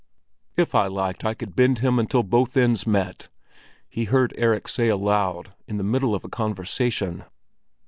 "If I liked I could bend him until both ends met!" he heard Erik say aloud in the middle of a conversation.